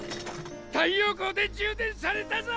太陽光で充電されたぞ！